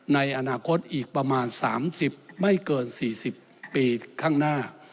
ในอนาคตอีกประมาณ๓๐ไม่เกิน๔๐ปีข้างหน้า